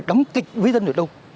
đóng kịch với dân được đâu